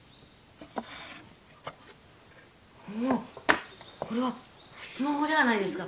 おおっこれはスマホではないですか！